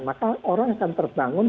maka orang akan terbangun